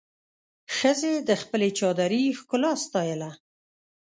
ښځې د خپلې چادري ښکلا ستایله.